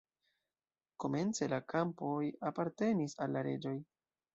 Komence la kampoj apartenis al la reĝoj.